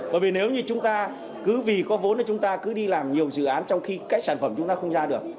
bởi vì nếu như chúng ta cứ vì có vốn thì chúng ta cứ đi làm nhiều dự án trong khi các sản phẩm chúng ta không ra được